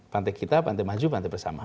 pantai kita pantai maju pantai bersama